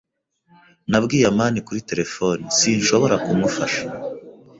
Nabwiye amani kuri terefone sinshobora kumufasha.